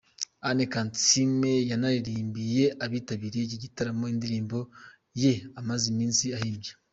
Anne Kansiime yanaririmbiye abitabiriye iki gitaramo indirimbo ye amaze iminsi ahimbye.